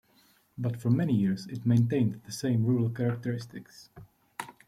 But for many years it maintained the same rural characteristics.